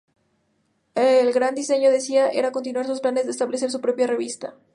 El gran diseño, decía, era continuar sus planes de establecer su propia revista.